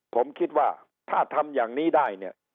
ผมคิดว่าถ้าทำอย่างนี้ได้เนี่ย